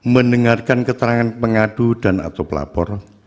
mendengarkan keterangan pengadu dan atau pelapor